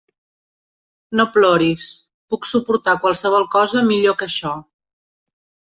No ploris. Puc suportar qualsevol cosa millor que això.